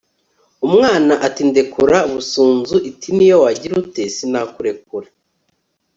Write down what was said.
umwana ati ndekura! busunzu itin'iyo wagira ute sinakurekura